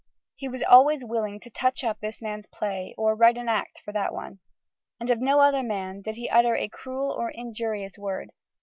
He was "always willing to touch up this man's play, or write in an act for that one." And of no other man did he utter a cruel or an injurious word.